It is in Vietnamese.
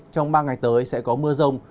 trong ba ngày tới sẽ có mưa rông